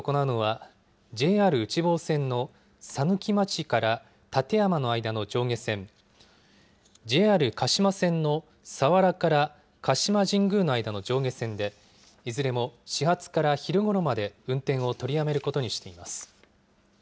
計画運休を行うのはＪＲ内房線の佐貫町から館山の間の上下線ＪＲ鹿島線の佐原から鹿島神宮の間の上下線でいずれも、始発から昼ごろまで運転を取りやめることにしています。